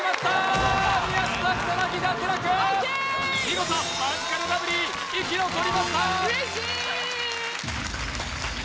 見事マヂカルラブリー生き残りました！